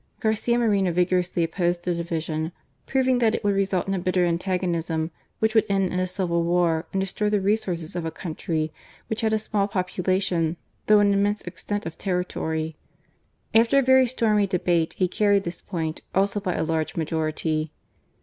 Garcia Moreno vigorously opposed the division, proving that it would result in a bitter antagonism, which would end in a civil wa.r and destroy the resources of a country which had a small popula tion, though an immense extent of territory. After a very stormy debate he carried this point also by a large majority.